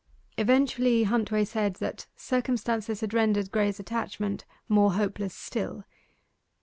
Eventually Huntway said that circumstances had rendered Graye's attachment more hopeless still.